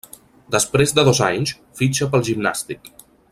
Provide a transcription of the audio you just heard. Després de dos anys, fitxa pel Gimnàstic.